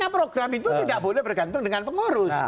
karena program itu tidak boleh bergantung dengan pengurus